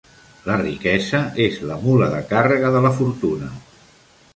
La riquesa és la mula de càrrega de la fortuna.